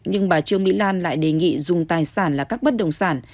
nhưng bà trương mỹ lan lại đề nghị dùng tài sản là các bất đồng sản